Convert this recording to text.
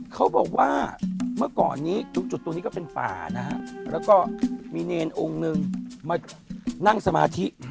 เขาบอกว่าเมื่อก่อนนี้ทุกจุดตรงนี้ก็เป็นป่านะฮะแล้วก็มีเนรองค์นึงมานั่งสมาธิ